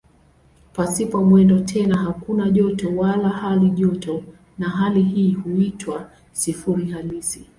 Pasipo mwendo tena hakuna joto wala halijoto na hali hii huitwa "sifuri halisi".